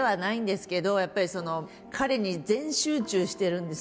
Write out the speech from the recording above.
やっぱり彼に全集中してるんですよ。